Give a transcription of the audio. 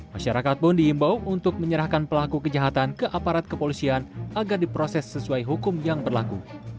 masyarakat pun diimbau untuk menyerahkan pelaku kejahatan ke aparat kepolisian agar diproses sesuai hukum yang berlaku